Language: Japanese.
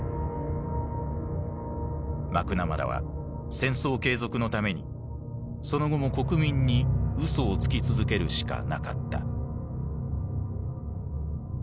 マクナマラは戦争継続のためにその後も国民に嘘をつき続けるしかなかった。